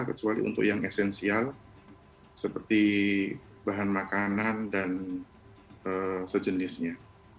kecuali untuk yang esensial seperti bahan makanan dan sejenisnya